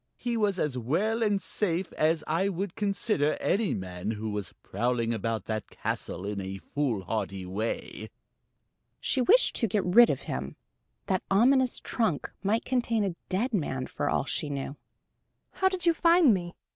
"He was as well and safe as I would consider any man who was prowling about that castle in a foolhardy way." She wished to get rid of him: that ominous trunk might contain a dead man, for all she knew. "How did you find me?